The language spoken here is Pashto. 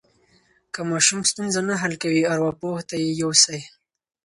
که ماشوم ستونزه نه حل کوي، ارواپوه ته یې یوسئ.